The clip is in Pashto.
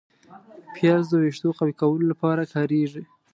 پیاز د ویښتو قوي کولو لپاره کارېږي